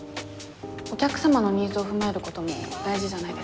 お客様のニーズを踏まえることも大事じゃないですか？